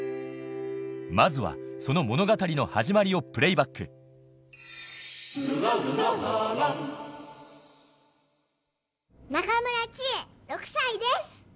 まずはその物語の始まりをプレーバック中村知恵６歳です。